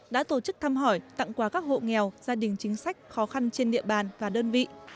đã tổ chức thăm hỏi tặng quà các hộ nghèo gia đình chính sách khó khăn trên địa bàn và đơn vị